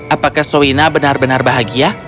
apakah soina benar benar bahagia